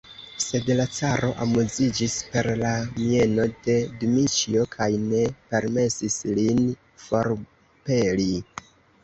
Sed la caro amuziĝis per la mieno de Dmiĉjo kaj ne permesis lin forpeli.